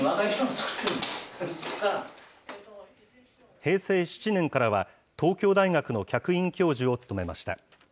平成７年からは、東京大学の客員教授を務めました。